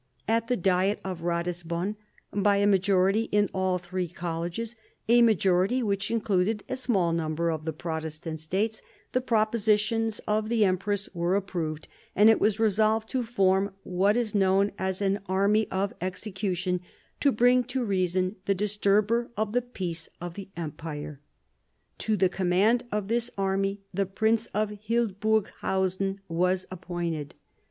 At the Diet of Eatisbon, by a majority in all three colleges, a majority which in cluded a small number of the Protestant states, the propositions of the empress were approved, and it was resolved to form what is known as an army of execution, to bring to reason the disturber of the peace of the empire. To the command of this army the Prince of Hildburghausen was appointed.